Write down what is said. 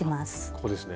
ここですね。